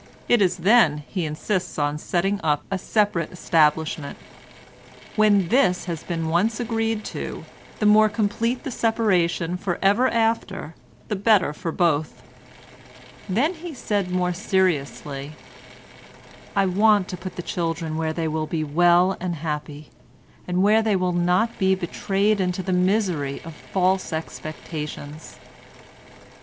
It is then he insists on setting up a separate establishment; when this has been once agreed to, the more complete the separation for ever after the better for both." Then he said more seriously: "I want to put the children where they will be well and happy, and where they will not be betrayed into the misery of false expectations."